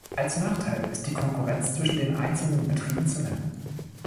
Als Nachteil ist die Konkurrenz zwischen den einzelnen Betrieben zu nennen.